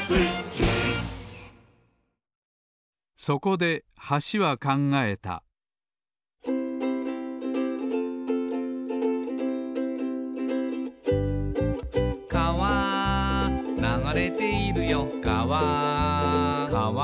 そこで橋は考えた「かわ流れているよかわ」